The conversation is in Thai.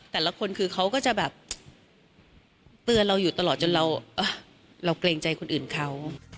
แต่ละคนคือเขาก็จะแบบเตือนเราอยู่ตลอดจนเราเกรงใจคนอื่นเขา